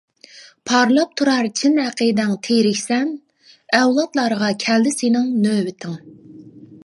پارلاپ تۇرار چىن ئەقىدەڭ تىرىكسەن، ئەۋلادلارغا كەلدى سېنىڭ نۆۋىتىڭ.